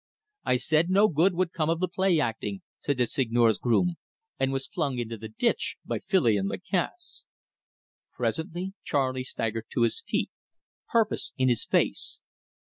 "I said no good would come of the play acting," said the Seigneur's groom, and was flung into the ditch by Filion Lacasse. Presently Charley staggered to his feet, purpose in his face.